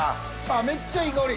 めっちゃいい香り。